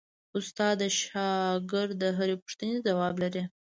استاد د شاګرد د هرې پوښتنې ځواب لري.